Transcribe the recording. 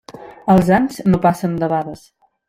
Els anys no passen debades.